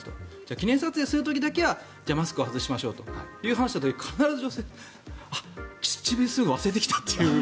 記念撮影する時だけはマスクを外しましょうという時に必ず女性は口紅するの忘れてきたという。